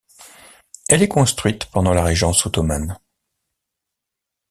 Elle est construite pendant la régence ottomane.